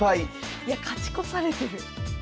いや勝ち越されてる。